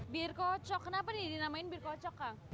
bir kocok kenapa ini dinamain bir kocok kang